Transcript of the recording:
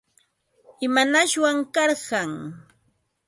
¿Imanashwan karqan?